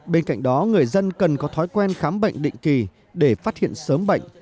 bên cạnh đó người dân cần có thói quen khám bệnh định kỳ để phát hiện sớm bệnh